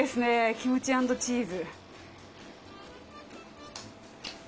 キムチ＆チーズ。